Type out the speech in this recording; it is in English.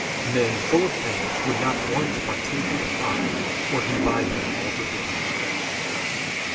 Men full of things would not once partake with God, were he by them all the day.